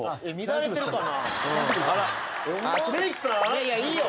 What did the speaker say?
いやいやいいよ